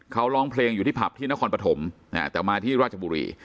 เขาร้องเพลงอยู่ที่ผับที่นครปฐมแต่มาที่ราชบุรี